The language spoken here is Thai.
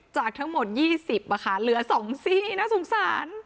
จากทั้งหมดยี่สิบอะคะเหลือสองซี่นะสงสาร